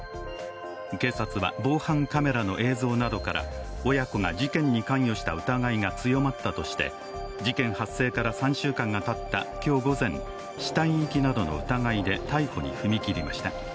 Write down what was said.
警察は、防犯カメラの映像などから親子が事件に関与した疑いが強まったとして事件発生から３週間がたった今日午前死体遺棄などの疑いで逮捕に踏み切りました。